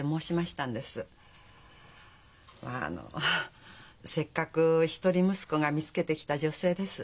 まああのせっかく一人息子が見つけてきた女性です。